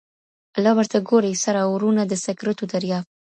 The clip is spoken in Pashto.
لا ورته ګوري سره اورونه د سکروټو دریاب